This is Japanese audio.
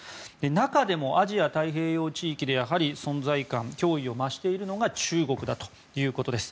中でもアジア太平洋地域で存在感、脅威を増しているのが中国だということです。